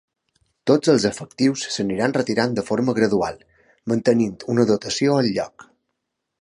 Tots els efectius s’aniran retirant de forma gradual, mantenint una dotació al lloc.